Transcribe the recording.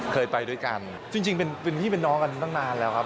เคยไปด้วยกันจริงเป็นพี่เป็นน้องกันตั้งนานแล้วครับ